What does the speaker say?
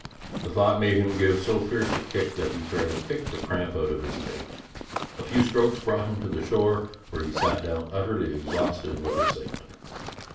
The thought made him give so fierce a kick that he fairly kicked the cramp out of his leg. A few strokes brought him to the shore, where he sank down utterly exhausted with excitement.